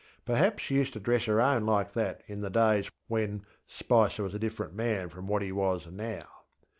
Perhaps she used to dress her own like that in the days when Spicer was a different man from what he was now.